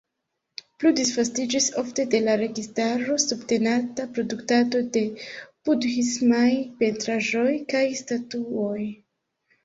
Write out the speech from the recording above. Plu disvastiĝis ofte de la registaro subtenata produktado de budhismaj pentraĵoj kaj statuoj.